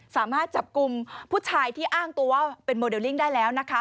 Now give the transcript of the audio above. สามารถจับกลุ่มผู้ชายที่อ้างตัวว่าเป็นโมเดลลิ่งได้แล้วนะคะ